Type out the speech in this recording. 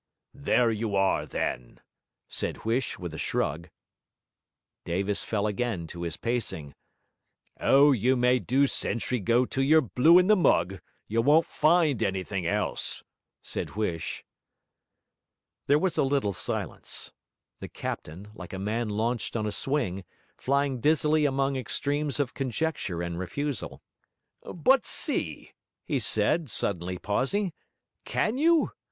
'There you are then!' said Huish with a shrug. Davis fell again to his pacing. 'Oh, you may do sentry go till you're blue in the mug, you won't find anythink else,' said Huish. There was a little silence; the captain, like a man launched on a swing, flying dizzily among extremes of conjecture and refusal. 'But see,' he said, suddenly pausing. 'Can you?